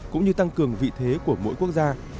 cũng như tăng cường vị thế của mỗi quốc gia